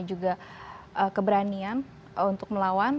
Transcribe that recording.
juga keberanian untuk melawan